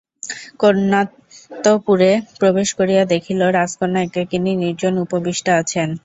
কন্যান্তঃপুরে প্রবেশ করিয়া দেখিল রাজকন্যা একাকিনী নির্জনে উপবিষ্টা আছেন।